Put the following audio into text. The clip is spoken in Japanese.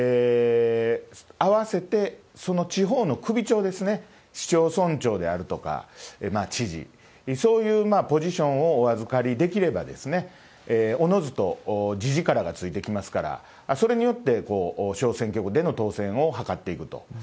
併せてその地方の首長ですね、市町村長であるとか知事、そういうポジションをお預かりできれば、おのずと地力がついてきますから、それによって小選挙区での当選を図っていくと。